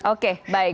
oke baik baik